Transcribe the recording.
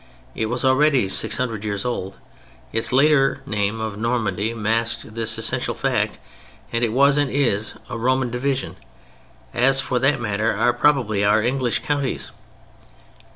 It was already six hundred years old, its later name of "Normandy" masked this essential fact that it was and is a Roman division, as for that matter are probably our English counties.